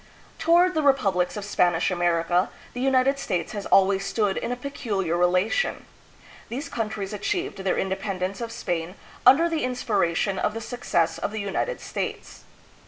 Toward the republics of Spanish America the United States has always stood in a peculiar relation. These countries achieved their independence of Spain under the inspiration of the success of the United States.